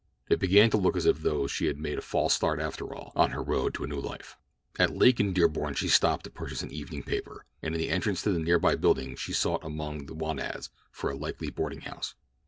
It began to look as though she had made a false start after all on her road to a new life. At Lake and Dearborn she stopped to purchase an evening paper, and in the entrance to a near by building she sought among the want ads for a likely boarding house.